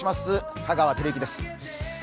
香川照之です。